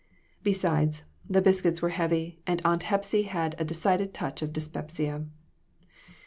Beside, the biscuits were heavy, and Aunt Hepsy had a decided touch of dyspepsia.